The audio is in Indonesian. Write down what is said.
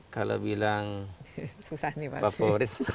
kalau bilang favorit